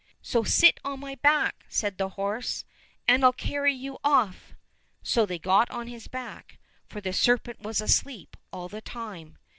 —" Then sit on my back !" said the horse, " and I'll carry you off !" So they got on his back, for the serpent was asleep all the time.